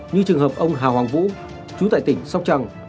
như trường hợp ông hà hoàng vũ chú tại tỉnh sóc trăng